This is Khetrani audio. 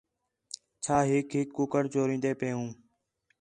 چھا ہِک ہِک کُکڑ چورین٘دے پئے ہوں